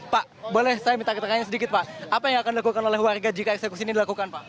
pak boleh saya minta keterangan sedikit pak apa yang akan dilakukan oleh warga jika eksekusi ini dilakukan pak